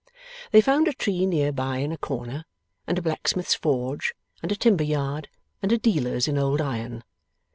They found a tree near by in a corner, and a blacksmith's forge, and a timber yard, and a dealer's in old iron.